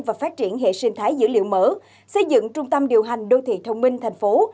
và phát triển hệ sinh thái dữ liệu mở xây dựng trung tâm điều hành đô thị thông minh thành phố